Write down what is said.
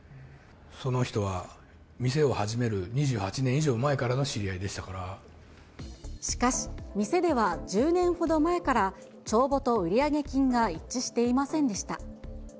その人は店を始める２８年以上前しかし、店では１０年ほど前から、帳簿と売上金が一致していませんでした。